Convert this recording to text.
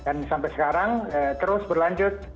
dan sampai sekarang terus berlanjut